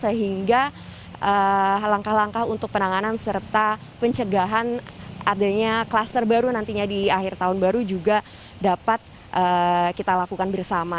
sehingga langkah langkah untuk penanganan serta pencegahan adanya kluster baru nantinya di akhir tahun baru juga dapat kita lakukan bersama